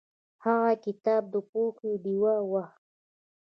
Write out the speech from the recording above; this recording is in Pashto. هغه کتاب د پوهې ډیوه وه.